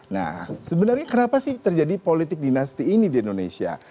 nah sebenarnya kenapa sih terjadi politik dinasti ini di indonesia